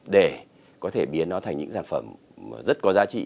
để có thể biến nó thành những sản phẩm rất có giá trị